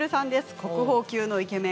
国宝級のイケメン